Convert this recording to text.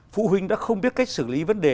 phụ huynh đã không biết cách xử lý vấn đề